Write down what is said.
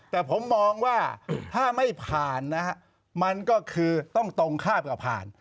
แต่ผมมองว่าถ้าไม่ผ่านนะฮะมันก็คือต้องตรงข้ามกับผ่าน